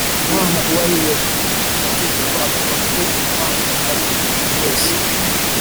umwana uwo ari we. amategeko avuga ko umwana ari umuntu wese